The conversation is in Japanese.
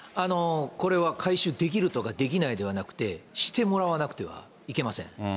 これは回収できるとかできないではなくて、してもらわなくてはいけません。